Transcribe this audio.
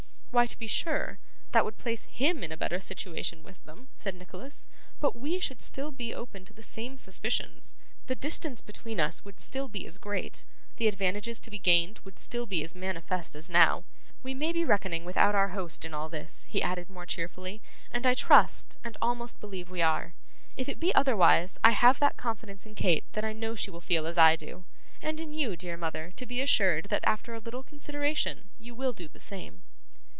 'Why, to be sure, that would place HIM in a better situation with them,' said Nicholas, 'but we should still be open to the same suspicions; the distance between us would still be as great; the advantages to be gained would still be as manifest as now. We may be reckoning without our host in all this,' he added more cheerfully, 'and I trust, and almost believe we are. If it be otherwise, I have that confidence in Kate that I know she will feel as I do and in you, dear mother, to be assured that after a little consideration you will do the same.